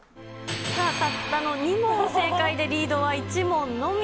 さあ、たったの２問正解で、リードは１問のみ。